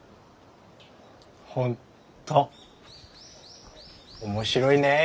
本当面白いねえ。